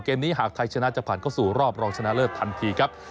นี้หากไทยชนะจะผ่านเข้าสู่รอบรองชนะเลิศทันทีครับ